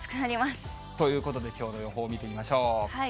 ということで、きょうの予報見てみましょう。